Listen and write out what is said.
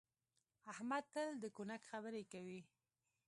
احمد تل د کونک خبرې کوي.